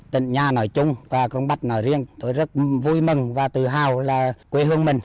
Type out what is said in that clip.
tỉnh nhà nói chung và con bách nói riêng tôi rất vui mừng và tự hào là quê hương mình